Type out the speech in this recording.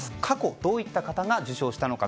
過去どういった方が受賞したのか、